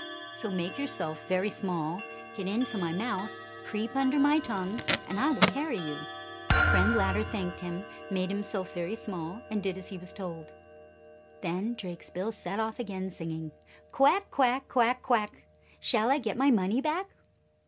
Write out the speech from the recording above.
So make yourself very small, get into my mouth, creep under my tongue, and I will carry you." Friend Ladder thanked him, made himself very small, and did as he was told. Then Drakesbill set off again, singing, "Quack, quack! Quack, quack! Shall I get my money back?"